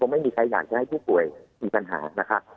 ไม่มีใครอยากจะให้ผู้ป่วยมีปัญหานะครับ